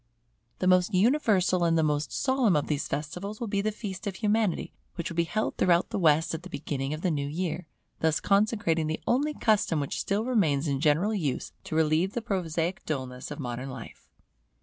The most universal and the most solemn of these festivals will be the feast of Humanity, which will be held throughout the West at the beginning of the new year, thus consecrating the only custom which still remains in general use to relieve the prosaic dullness of modern life.